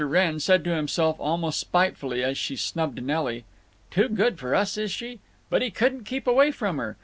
Wrenn said to himself, almost spitefully, as she snubbed Nelly, "Too good for us, is she?" But he couldn't keep away from her.